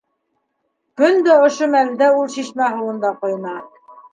Көн дә ошо мәлдә ул шишмә һыуында ҡойона.